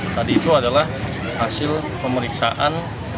tadi itu adalah hasil pemeriksaan